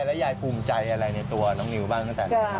แล้วยายภูมิใจอะไรในตัวน้องนิวบ้างตั้งแต่